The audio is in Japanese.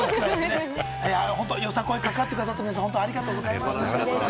よさこいに関わってくださった方、本当にありがとうございました。